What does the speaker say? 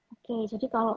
oke jadi kalau